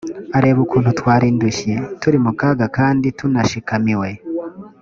areba ukuntu twari indushyi, turi mu kaga, kandi tunashikamiwe.